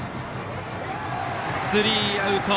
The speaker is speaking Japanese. スリーアウト。